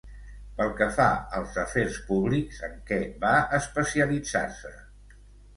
Pel que fa als afers públics, en què va especialitzar-se?